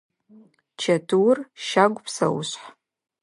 Чэтыур – щагу псэушъхь.